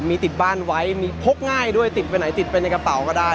มีติดบ้านไว้มีพกง่ายด้วยติดไปไหนติดไปในกระเป๋าก็ได้